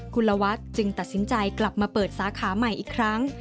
คุณละวัดจึงตัดสินใจกลับมาเปิดสาขาใหม่อีกครั้ง